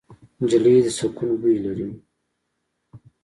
نجلۍ د سکون بوی لري.